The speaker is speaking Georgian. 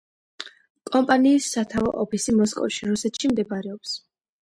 კომპანიის სათავო ოფისი მოსკოვში, რუსეთში მდებარეობს.